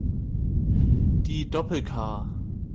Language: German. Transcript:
Die Doppel-K.